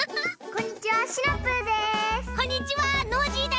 こんにちは。